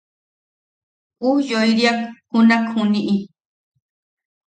Ujyoiriak junak juniʼi.